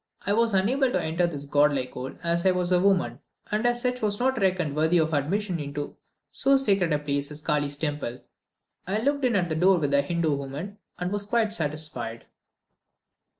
I was unable to enter this god like hole, as I was a woman, and as such was not reckoned worthy of admission into so sacred a place as Kally's temple. I looked in at the door with the Hindoo woman, and was quite satisfied.